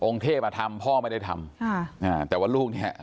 เทพอ่ะทำพ่อไม่ได้ทำค่ะอ่าแต่ว่าลูกเนี้ย